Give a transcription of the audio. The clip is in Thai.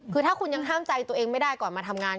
คือถ้าคุณยังห้ามใจตัวเองไม่ได้ก่อนมาทำงาน